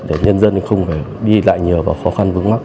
để nhân dân không phải đi lại nhiều và khó khăn vướng mắt